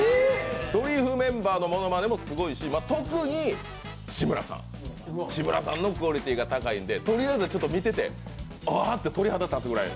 ドリフメンバーのものまねもすごいし、特に志村さんのクオリティーが高いので、とりあえずちょっと見てて、ああって鳥肌が立つくらい。